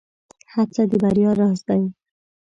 هڅه د بريا راز دی.